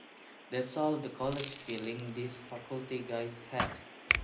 That's all the college feeling these faculty guys have.